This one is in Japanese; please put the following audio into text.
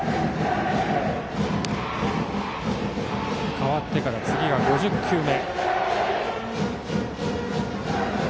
代わってから次が５０球目。